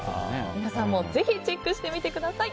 皆さんもぜひチェックしてみてください。